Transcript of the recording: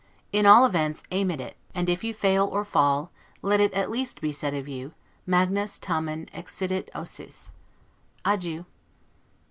In all events, aim at it, and if you fail or fall, let it at least be said of you, 'Magnis tamen excidit ausis'. Adieu.